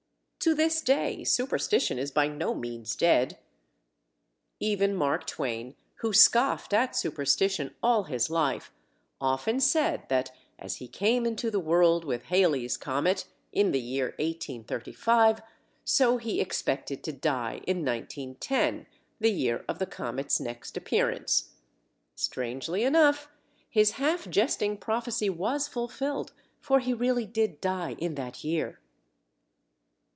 To this day, superstition is by no means dead. Even Mark Twain, who scoffed at superstition all his life, often said that, as he came into the world with Halley's Comet, in the year 1835, so he expected to die in 1910, the year of the comet's next appearance. Strangely enough, his half jesting prophecy was fulfilled, for he really did die in that year.